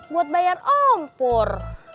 buat bayar ompor